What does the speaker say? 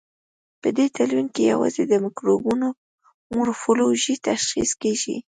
په دې تلوین کې یوازې د مکروبونو مورفولوژي تشخیص کیږي.